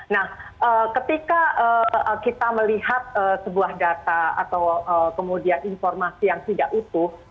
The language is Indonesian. nah ketika kita melihat sebuah data atau kemudian informasi yang tidak utuh